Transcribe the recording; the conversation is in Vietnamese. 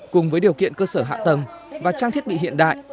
cùng với điều kiện cơ sở hạ tầng và trang thiết bị hiện đại